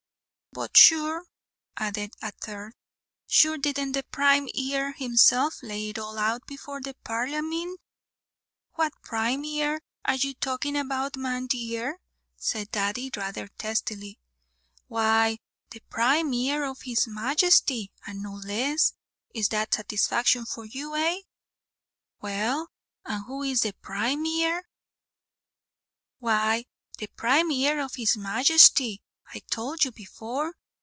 "But sure," added a third, "sure, didn't the Prime Ear himself lay it all out before the Parley mint?" "What Prime Ear are you talking about, man dear?" said Daddy, rather testily. "Why, the Prime Ear of his Majesty, and no less. Is that satisfaction for you, eh?" "Well, and who is the Prime Ear?" "Why, the Prime Ear of his Majesty, I towld you before.